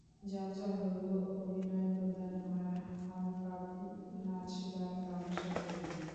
যাত্রা হলো অভিনয়প্রধান, আর আলকাপ নাচ-গান-তামাসা- প্রধান।